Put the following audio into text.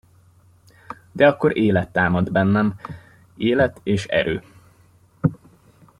De akkor élet támadt bennem, élet és erő.